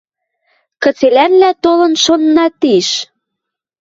Кыцелӓнлӓ толын шонна тиш».